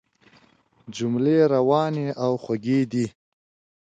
جملې روانې او خوږې دي.